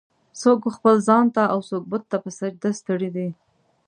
"څوک و خپل ځان ته اوڅوک بت ته په سجده ستړی دی.